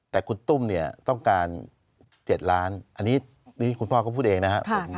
แต่คุณตุ้มเนี่ยต้องการ๗ล้านอันนี้คุณพ่อเขาพูดเองนะครับ